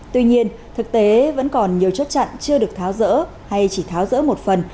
tuy nhiên thực tế vẫn còn nhiều chốt chặn chưa được tháo rỡ hay chỉ tháo rỡ một phần